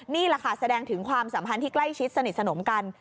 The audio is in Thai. นี่แหละค่ะแสดงถึงความสัมพันธ์ที่ใกล้ชิดสนิทสนมกัน